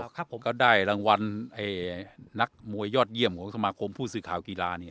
ครับผมก็ได้รางวัลนักมวยยอดเยี่ยมของสมาคมผู้สื่อข่าวกีฬา